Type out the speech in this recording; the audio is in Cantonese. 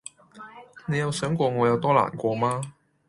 你有想過我有多難過嗎